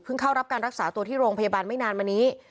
เข้ารับการรักษาตัวที่โรงพยาบาลไม่นานมานี้